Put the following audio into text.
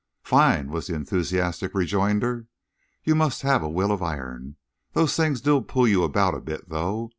"Fine!" was the enthusiastic rejoinder. "You must have a will of iron. Those things do pull you about a bit, though.